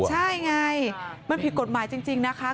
ใช่ไงมันผิดกฎหมายจริงนะคะ